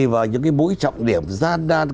và những cái mũi trọng điểm gian đan